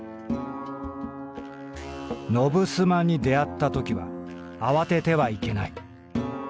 「野衾に出会ったときは慌ててはいけない。